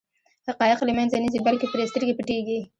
حقایق له منځه نه ځي بلکې پرې سترګې پټېږي.